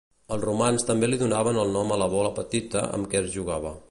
Els romans també li donaven el nom a la bola petita amb què es jugava.